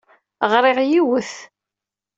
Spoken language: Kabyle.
Ɣriɣ yiwet.